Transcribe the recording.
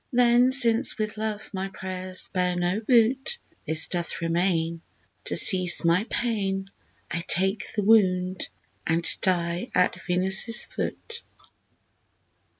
Then since with Love my prayers bear no boot, This doth remain To cease my pain: I take the wound, and die at Venus' foot.